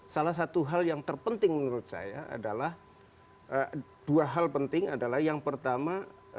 salah satu hal yang terpenting menurut saya adalah dua hal penting adalah yang pertama